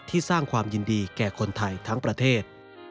สร้างความยินดีแก่คนไทยทั้งประเทศ